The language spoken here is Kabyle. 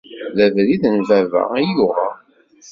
D abrid n baba i uɣeɣ.